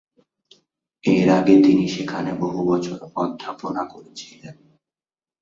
এর আগে তিনি সেখানে বহু বছর অধ্যাপনা করেছিলেন।